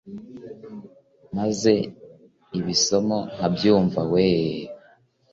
maze ibisomo nkabyumva weee